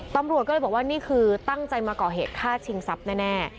ตำรวจก็เลยบอกว่านี่คือตั้งใจมาก่อเหตุฆ่าชิงทรัพย์แน่